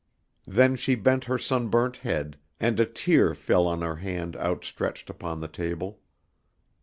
Then she bent her sunburnt head and a tear fell on her hand outstretched upon the table.